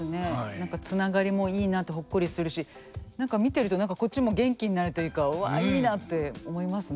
何かつながりもいいなってほっこりするし何か見てると何かこっちも元気になるというかうわいいなって思いますね。